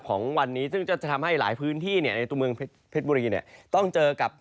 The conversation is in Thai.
ของวันนี้ซึ่งจะทำให้หลายพื้นที่เนี่ยในทุกเมืองเพชรบุรีเนี่ย